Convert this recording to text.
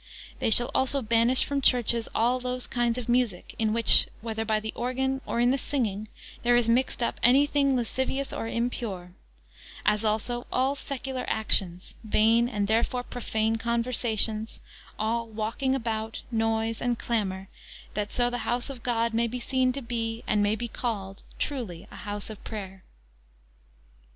They shall also banish from churches all those kinds of music, in which, whether by the organ, or in the singing, there is mixed up any thing lascivious or impure; as also all secular actions; vain and therefore profane conversations, all walking about, noise, and clamour, that so the house of God may be seen to be, and may be called, truly a house of prayer.